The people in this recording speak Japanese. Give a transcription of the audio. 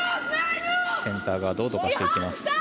センターガードをどかしていきます。